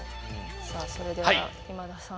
さあそれでは今田さん。